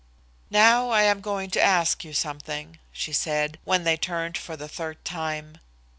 "Now I am going to ask you something," she said, when they turned for the third time.